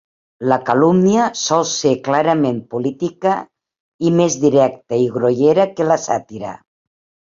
La calúmnia sol ser clarament política i més directa i grollera que la sàtira.